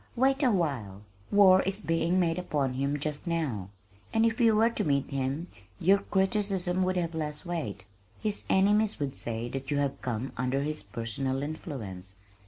Wait awhile. War is being made upon him just now, and if you were to meet him your criticism would have less weight. His enemies would say that you had come under his personal influence.